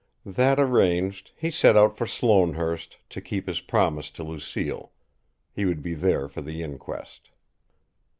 That arranged, he set out for Sloanehurst, to keep his promise to Lucille he would be there for the inquest.